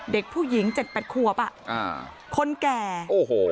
เด็กผู้หญิงเจ็ดแปดขวบอ่ะอ่าคนแก่โอ้โห